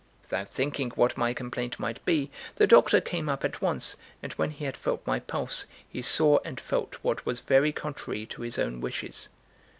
Without thinking what my complaint might be, the doctor came up at once, and when he had felt my pulse, he saw and felt what was very contrary to his own wishes.